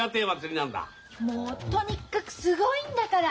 もうとにかくすごいんだから！